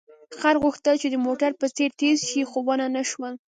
خر غوښتل چې د موټر په څېر تېز شي، خو ونه شول.